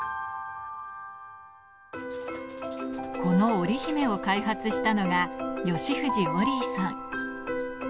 このオリヒメを開発したのが、吉藤オリィさん。